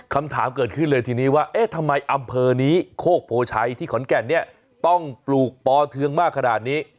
คำถามเกิดขึ้นเลยทีนี้ว่าเอ๊ะทำไมอำเภอนี้โคกโพชัยที่ขอนแก่นเนี่ยต้องปลูกปอเทืองมากขนาดนี้